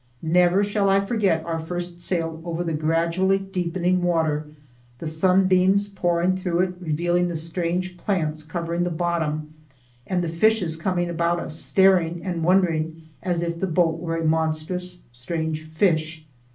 Never shall I forget our first sail over the gradually deepening water, the sunbeams pouring through it revealing the strange plants covering the bottom, and the fishes coming about us, staring and wondering as if the boat were a monstrous strange fish.